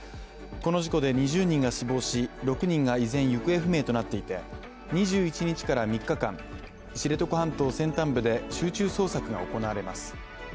この事故で２０人が死亡し、６人が依然行方不明となっていて、２１日から３日間、知床半島先端部で集中捜索が行われます。